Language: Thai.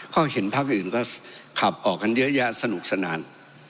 ก็เห็นพักอื่นก็ขับออกกันเยอะแยะสนุกสนาน